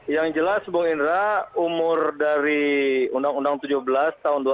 yang jelas bung indra umur dari undang undang tujuh belas tahun dua ribu tiga belas kan baru dua tahun lebih ya